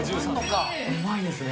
うまいですね。